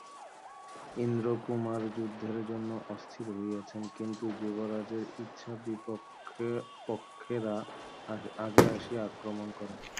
ইন্দ্রকুমার যুদ্ধের জন্য অস্থির হইয়াছেন, কিন্তু যুবরাজের ইচ্ছা বিপক্ষপক্ষেরা আগে আসিয়া আক্রমণ করে।